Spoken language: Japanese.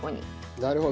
なるほど。